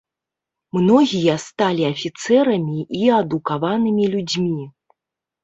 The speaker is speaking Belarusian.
Многія сталі афіцэрамі і адукаванымі людзьмі.